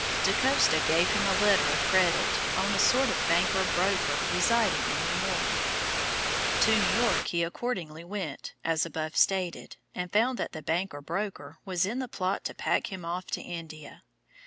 Da Costa gave him a letter of credit on a sort of banker broker residing in New York. To New York he accordingly went, as above stated, and found that the banker broker was in the plot to pack him off to India.